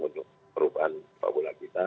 untuk perubahan kepabulan kita